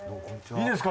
いいですか？